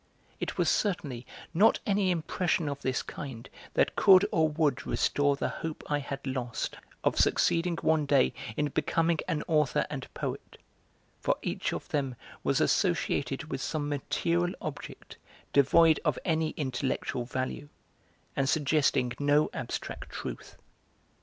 It was certainly not any impression of this kind that could or would restore the hope I had lost of succeeding one day in becoming an author and poet, for each of them was associated with some material object devoid of any intellectual value, and suggesting no abstract truth.